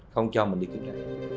không cho mình đi kiểm tra